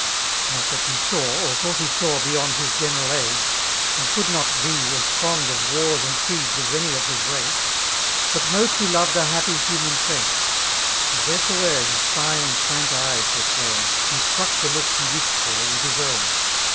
Not that he %sm, or thought he saw^ beyond His geneiQl ^^, and could not be as fond Of wars'aad ereeds as any of Ms raoe,^^ But most he loved a happy human^aoe; And wheresoever his finer fnaik eyes were thrown. He struck th^ lodks he wished for with his own.